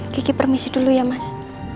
gigi permisi dulu ya mas